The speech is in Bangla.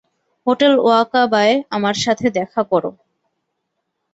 হোটেল ওয়াকাবায় আমার সাথে দেখা করো।